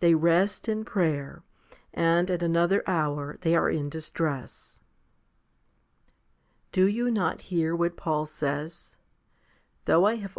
They rest in prayer, and at another hour they are in distress. 1 6. Do you not hear what Paul says, "Though I have 1 Eph. vi. 16.